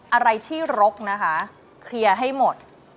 อะไรที่รกนะคะเคลียร์ให้หมด